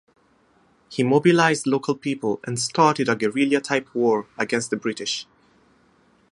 He mobilised local people and started a guerrilla type war against the British.